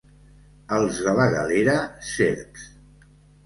Els de la Galera, serps.